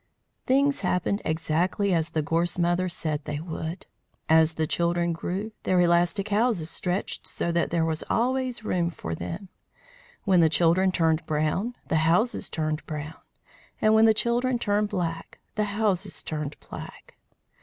Things happened exactly as the Gorse Mother said they would. As the children grew, their elastic houses stretched so that there was always room for them. When the children turned brown the houses turned brown; and when the children turned black the houses turned black.